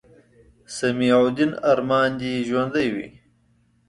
سمیع الدین ارمان دې ژوندے وي